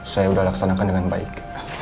saya sudah laksanakan dengan baik